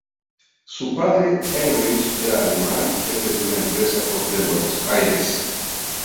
Su padre Heinrich era alemán y jefe de una empresa propia en Buenos Aires.